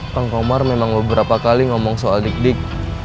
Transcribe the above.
kang komar memang beberapa kali ngomong soal dik dik